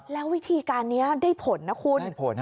แล้ววิธีการนี้ได้ผลนะคุณ